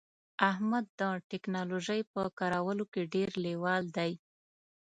احمد د ټکنالوژی په کارولو کې ډیر لیوال دی